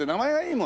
もう。